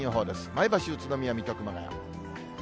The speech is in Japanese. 前橋、宇都宮、水戸、熊谷。